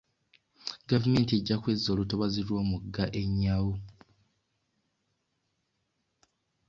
Gavumenti ejja kwezza olutobazi lw'omugga Enyau.